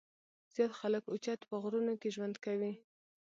زيات خلک اوچت پۀ غرونو کښې ژوند کوي ـ